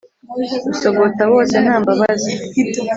usogota bose nta mbabazi.